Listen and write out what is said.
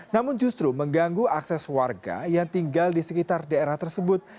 namun justru mengganggu akses warga yang tinggal di sekitar daerah tersebut